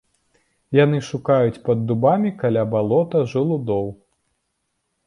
Яны шукаюць пад дубамі каля балота жалудоў.